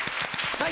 はい。